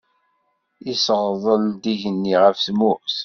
Iseɣḍel-d igenni ɣef tmurt.